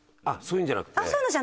あっそういうのじゃない？